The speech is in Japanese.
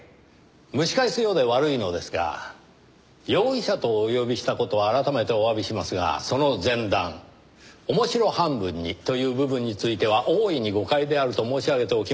蒸し返すようで悪いのですが容疑者とお呼びした事は改めておわびしますがその前段「面白半分に」という部分については大いに誤解であると申し上げておきます。